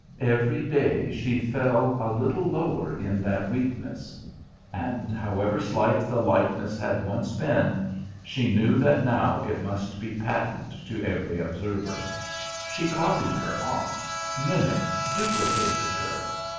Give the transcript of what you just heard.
Every day she fell a little lower in that weakness, and however slight the likeness had once been, she knew that now it must be patent to every observer. She copied her aunt, mimicked, duplicated her.